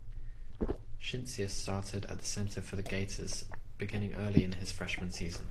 Schintzius started at center for the Gators beginning early in his freshman season.